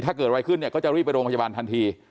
ถ้าเกิดอะไรขึ้นเนี่ยก็จะรีบไปโรงพยาบาลทันที